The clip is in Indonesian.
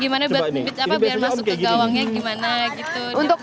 gimana buat apa biar masuk ke gawangnya gimana gitu